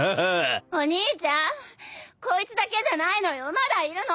お兄ちゃんこいつだけじゃないのよまだいるの。